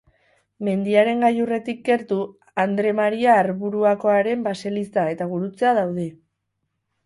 Mendiaren gailurretik gertu Andre Maria Arburuakoaren baseliza eta gurutzea daude.